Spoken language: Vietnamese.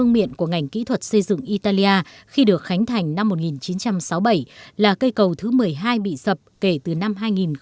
vương miện của ngành kỹ thuật xây dựng italia khi được khánh thành năm một nghìn chín trăm sáu mươi bảy là cây cầu thứ một mươi hai bị sập kể từ năm hai nghìn bốn